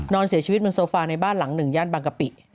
นอนเสียชีวิตบนโซฟาในบ้านหลังหนึ่งย่านบางกะปิ